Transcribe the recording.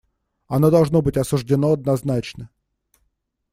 Оно должно быть осуждено однозначно.